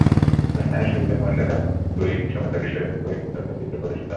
অনুষ্ঠানের শুরুতে মর্যাদায় গড়ি সমতা বিষয়ের ওপর একটি তথ্যচিত্র প্রদর্শিত হয়।